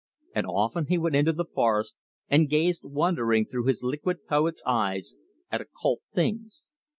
And often he went into the forest and gazed wondering through his liquid poet's eyes at occult things.